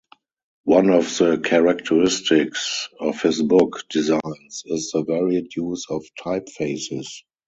One of the characteristics of his book designs is the varied use of typefaces.